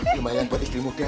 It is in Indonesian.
lumayan buat istri muda